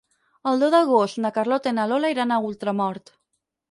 El deu d'agost na Carlota i na Lola iran a Ultramort.